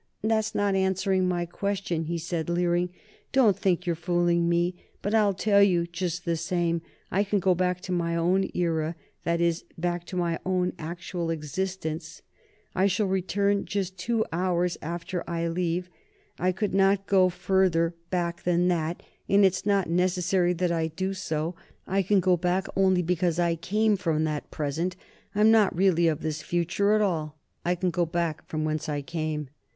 "That's not answering my question," he said, leering. "Don't think you're fooling me! But I'll tell you, just the same. I can go back to my own era: that is, back to my own actual existence. I shall return just two hours after I leave; I could not go back farther than that, and it's not necessary that I do so. I can go back only because I came from that present; I am not really of this future at all. I go back from whence I came."